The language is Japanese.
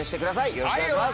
よろしくお願いします。